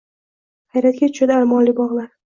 Hayratga tushadi armonli bog’lar.